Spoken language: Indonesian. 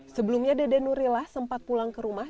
sebelumnya dede nurillah sempat pulang ke rumah